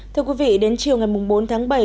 thưa quý vị đến chiều ngày bốn tháng bảy